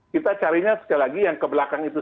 kita carinya sekali lagi yang kebelakang itu